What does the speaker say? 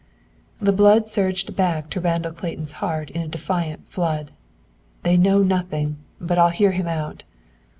The blood surged back to Randall Clayton's heart in a defiant flood. "They know nothing; but I'll hear him out."